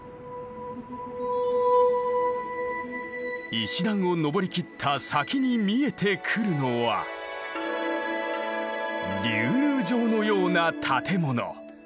石段を上り切った先に見えてくるのは竜宮城のような建物。